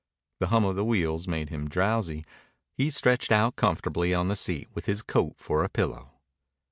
The hum of the wheels made him drowsy. He stretched out comfortably on the seat with his coat for a pillow.